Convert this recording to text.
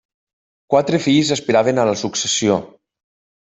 Quatre fills aspiraven a la successió.